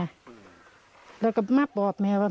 ก็เลือกมาบอกแม่ว่า